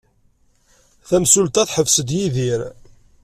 Tamsulta teḥbes-d Yidir.